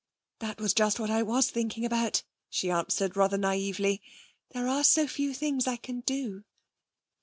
'That was just what I was thinking about,' she answered rather naïvely. 'There are so few things I can do.'